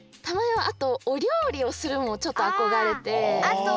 あと「おりょうりをする」もちょっとあこがれて。